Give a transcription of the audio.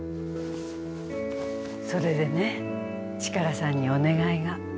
それでねチカラさんにお願いが。